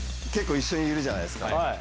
結構、一緒にいるじゃないですか。